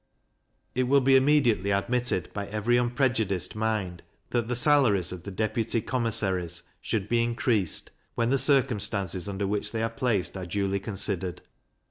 It will be immediately admitted by every unprejudiced mind, that the salaries of the deputy commissaries should be increased, when the circumstances under which they are placed are duly considered.